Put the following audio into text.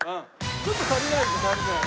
ちょっと足りないじゃん。